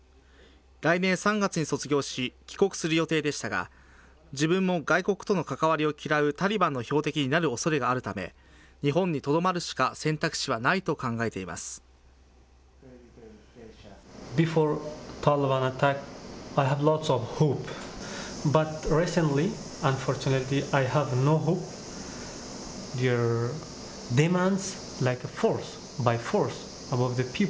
来年３月に卒業し、帰国する予定でしたが、自分も外国との関わりを嫌うタリバンの標的になるおそれがあるため、日本にとどまるしか選択肢はないと考えています。